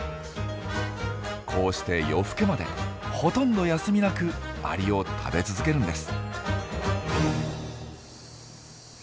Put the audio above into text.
こうして夜更けまでほとんど休みなくアリを食べ続けるんです。